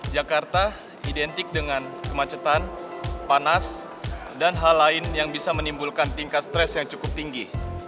jakarta identik dengan kemacetan panas dan hal lain yang bisa menimbulkan tingkat stres yang cukup tinggi